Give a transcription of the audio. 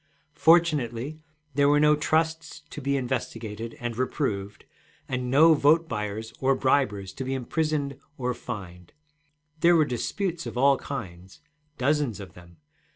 Fortunately there were no trusts to be investigated and reproved, and no vote buyers or bribers to be imprisoned or fined. There were disputes of all kinds, dozens of them.